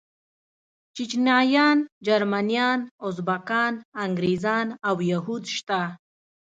چيچنيايان، جرمنيان، ازبکان، انګريزان او يهود شته.